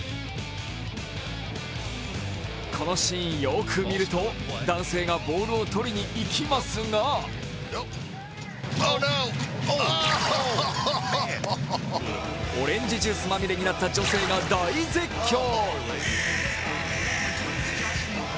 このシーン、よく見ると男性がボールを取りに行きますがオレンジジュースまみれになった女性が大絶叫。